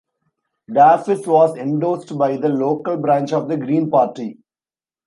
Dafis was endorsed by the local branch of the Green Party.